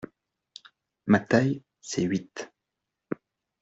Ma taille c’est huit.